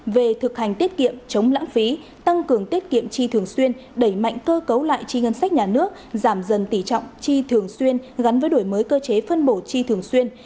về thực hành tiết kiệm chống lãng phí tăng cường tiết kiệm chi thường xuyên đẩy mạnh cơ cấu lại chi ngân sách nhà nước giảm dần tỉ trọng chi thường xuyên gắn với đổi mới cơ chế phân bổ chi thường xuyên